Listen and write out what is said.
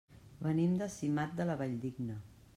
Venim de Simat de la Valldigna.